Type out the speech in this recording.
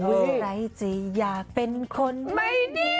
อะไรจะอยากเป็นคนไม่ดี